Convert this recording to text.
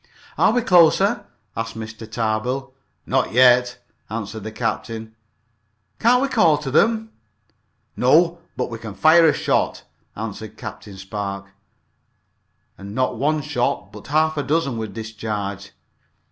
"Are we closer?" asked Mr. Tarbill. "Not yet!" answered the captain. "Can't we call to them?" "No but we can fire a shot," answered Captain Spark, and not one shot but half a dozen were discharged.